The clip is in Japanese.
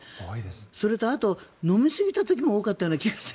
それとあと飲みすぎた時も多かったような気がする。